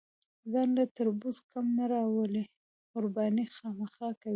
ځان له تربوره کم نه راولي، قرباني خامخا کوي.